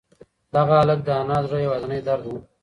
دغه هلک د انا د زړه یوازینۍ درد و.